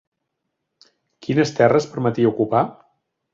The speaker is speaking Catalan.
Quines terres permetia ocupar?